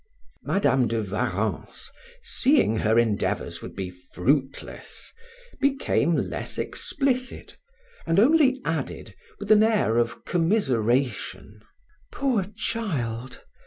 Madam de Warrens, seeing her endeavors would be fruitless, became less explicit, and only added, with an air of commiseration, "Poor child!